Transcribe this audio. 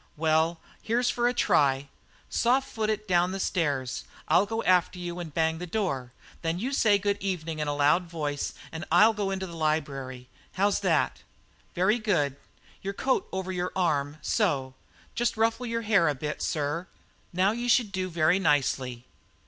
Well, here's for a try. Soft foot it down stairs. I'll go after you and bang the door. Then you say good evening in a loud voice and I'll go into the library. How's that?" "Very good your coat over your arm so! Just ruffle your hair a bit, sir now you should do very nicely."